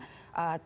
terjadi di elit